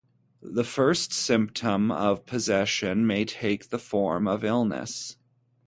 The first symptom of possession may take the form of illness.